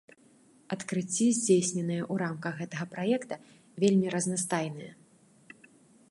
Адкрыцці, здзейсненыя ў рамках гэтага праекта, вельмі разнастайныя.